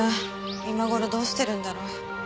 今頃どうしてるんだろう？